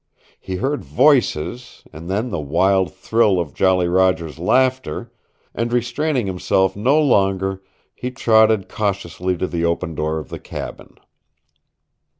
He heard voices, and then the wild thrill of Jolly Roger's laughter, and restraining himself no longer he trotted cautiously to the open door of the cabin.